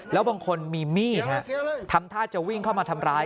แล้วบางคนมีมีดทำท่าจะวิ่งเข้ามาทำร้าย